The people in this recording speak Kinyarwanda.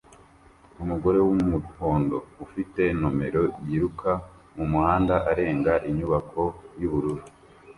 Umugore wumuhondo ufite nomero "" yiruka mumuhanda arenga inyubako yubururu